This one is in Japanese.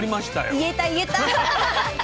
言えた言えた。